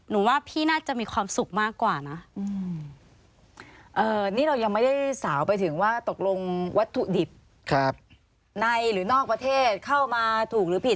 นี่เรายังไม่ได้สาวไปถึงว่าตกลงวัตถุดิบในหรือนอกประเทศเข้ามาถูกหรือผิด